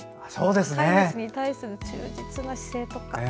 飼い主に対する忠実な姿勢とか。